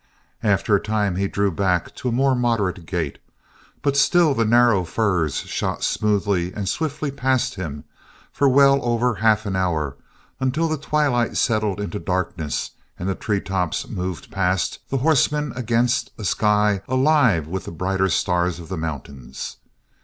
After a time he drew back to a more moderate gait, but still the narrow firs shot smoothly and swiftly past him for well over half an hour until the twilight settled into darkness and the treetops moved past the horseman against a sky alive with the brighter stars of the mountains.